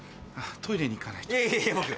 トイレに行かないと。